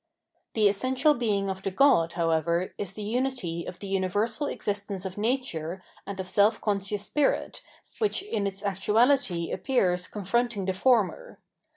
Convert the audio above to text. The essential being of the god, however, is the unity of the universal existence of nature and of self conscious spirit which iu its actuality appears confronting the former.